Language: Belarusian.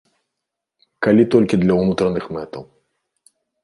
Калі толькі для ўнутраных мэтаў.